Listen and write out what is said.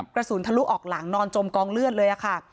กระสุนทะลุออกหลังนอนจมกองเลือดเลยค่ะ